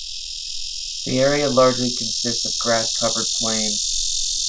The area largely consists of grass-covered plains.